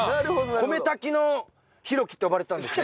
米炊きのヒロキって呼ばれてたんですね。